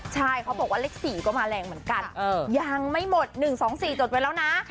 ใช่เขาบอกว่าเลข๔ก็มาแรงเหมือนกันยังไม่หมด๑๒๔จดไว้แล้วนะ